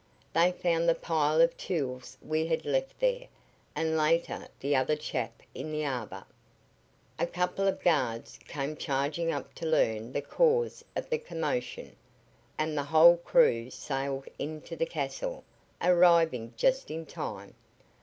They found the pile of tools we had left there, and later the other chap in the arbor. A couple of guards came charging up to learn the cause of the commotion, and the whole crew sailed into the castle, arriving just in time.